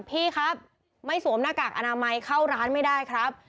พี่ครับไม่สวมหน้ากากอนามัยเข้าร้านไม่ได้ครับ